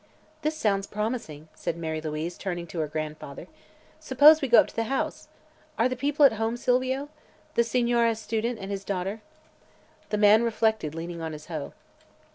"This sounds promising," said Mary Louise, turning to her grandfather. "Suppose we go up to the house? Are the people at home, Silvio? the Signore Student and his daughter?" The man reflected, leaning on his hoe.